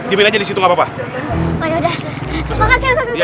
dimana disitu apa pak ya udah terima